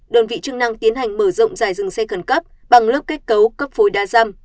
đơn vị chức năng tiến hành mở rộng dài dừng xe khẩn cấp bằng lớp kết cấu cấp phối đa dâm